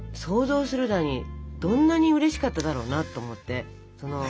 想像するだにどんなにうれしかっただろうなと思って。